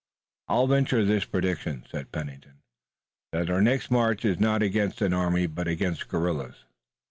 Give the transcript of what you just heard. "I'll venture the prediction," said Pennington, "that our next march is not against an army, but against guerrillas.